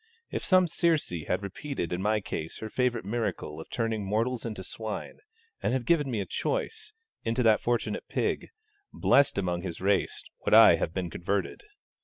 If some Circe had repeated in my case her favourite miracle of turning mortals into swine, and had given me a choice, into that fortunate pig, blessed among his race, would I have been converted!